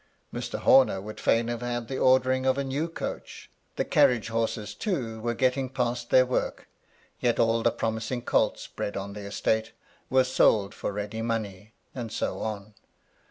Mr. Homer would fain have had the ordering of a new coach. The carriage horses, too, were getting past their work; yet all the promising colts bred on the estate were sold for ready money; and so on.